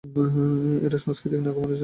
এরা সাংস্কৃতিকভাবে নাগা মানুষদের মতই।